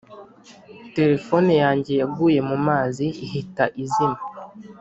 Telephone yanjye yaguye mumazi ihita izima